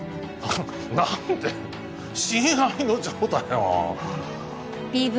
何で親愛の情だよＢＶ